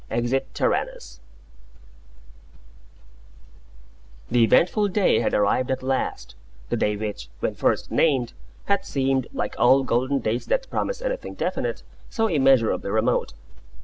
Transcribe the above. "EXIT TYRANNUS" The eventful day had arrived at last, the day which, when first named, had seemed like all golden dates that promise anything definite so immeasurably remote.